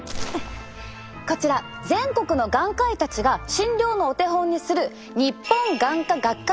こちら全国の眼科医たちが診療のお手本にする日本眼科学会